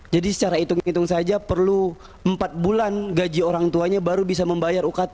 jadi secara hitung hitung saja perlu empat bulan gaji orang tuanya baru bisa membayar ukt